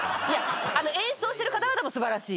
演奏してる方々も素晴らしい。